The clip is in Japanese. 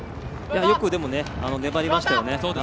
よく粘りましたよね。